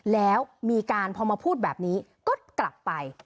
แล้วมีการพอมาพูดแบบนี้ก็กลับไป